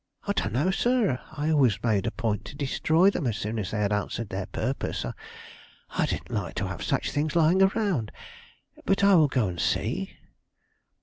"I don't know, sir. I always made it a point to destroy them as soon as they had answered their purpose. I didn't like to have such things lying around. But I will go see."